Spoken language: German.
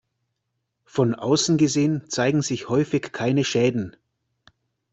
Von außen gesehen zeigen sich häufig keine Schäden.